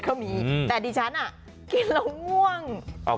แต่ดิฉันกินแล้วม่วง